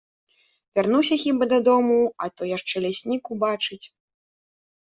Вярнуся хіба дадому, а то яшчэ ляснік убачыць.